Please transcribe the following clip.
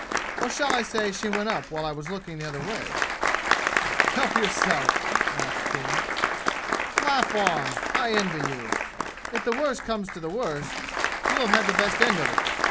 Or shall I say she went up while I was looking the other way?" "Help yourself!" laughed King. "Laugh on! I envy you! If the worst comes to the worst, you'll have had the best end of it.